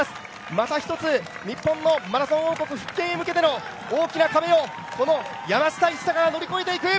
また一つ、日本のマラソン王国復権へ向けて大きな壁を山下一貴が飛び越えていく。